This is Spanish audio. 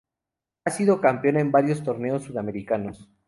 Ha sido campeona en varios torneos sudamericanos.